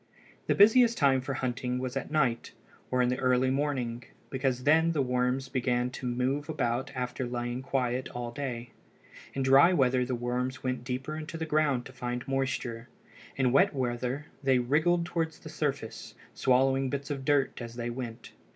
The busiest time for hunting was at night, or in the early morning, because then the worms began to move about after lying quiet all day. In dry weather the worms went deeper into the ground to find moisture. In wet weather they wriggled toward the surface, swallowing bits of dirt as they went.